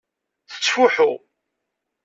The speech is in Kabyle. Tettfuḥu.